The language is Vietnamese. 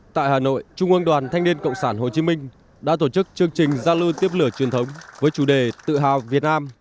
tại hà nội trung ương đoàn thanh niên cộng sản hồ chí minh đã tổ chức chương trình giao lưu tiếp lửa truyền thống với chủ đề tự hào việt nam